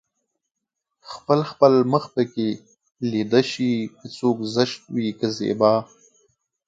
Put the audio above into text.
خپل خپل مخ پکې ليده شي که څوک زشت وي که زيبا